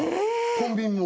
コンビニも？